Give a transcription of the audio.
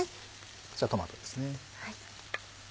こちらトマトですね。